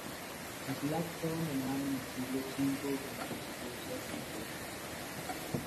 La ciudad fue abandonada en el siglo V como consecuencia de las invasiones bárbaras.